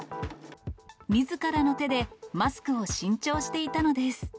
みずからの手で、マスクを新調していたのです。